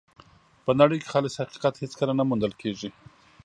په نړۍ کې خالص حقیقت هېڅکله نه موندل کېږي.